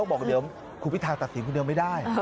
บอกเดี๋ยวคุณพิธาตัดสินคนเดียวไม่ได้